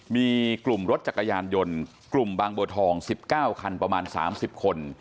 มีกลุ่มรถจักรยานยนต์กลุ่มบางบัวทอง๑๙คันประมาณ๓๐คน